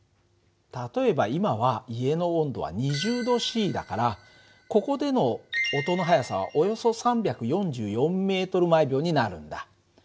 例えば今は家の温度は２０℃だからここでの音の速さはおよそ３４４ｍ／ｓになるんだ。